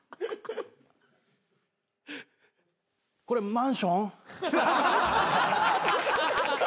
これマンション？